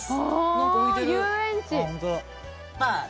「なんか浮いてる」